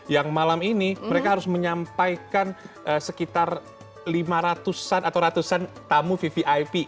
yang malam ini mereka harus menyampaikan sekitar lima ratus an atau ratusan tamu vvip